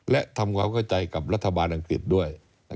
และทำความเข้าใจกับรัฐบาลอังกฤษด้วย